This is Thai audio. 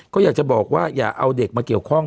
ก็อยากจะบอกว่าอย่าเอาเด็กมาเกี่ยวข้อง